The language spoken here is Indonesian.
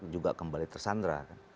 juga kembali tersandra